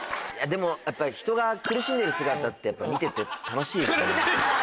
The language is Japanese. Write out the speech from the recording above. でもやっぱり人が苦しんでる姿見てて楽しいですね。